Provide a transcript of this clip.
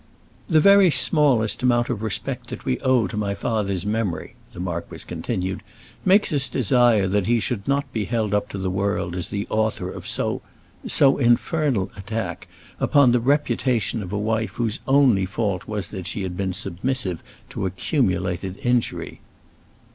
"The very smallest amount of respect that we owe to my father's memory," the marquis continued, "makes us desire that he should not be held up to the world as the author of so—so infernal an attack upon the reputation of a wife whose only fault was that she had been submissive to accumulated injury."